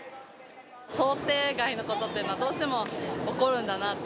想定外のことというのは、どうしても起こるんだなと。